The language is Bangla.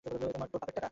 তোর বাপের টাকা?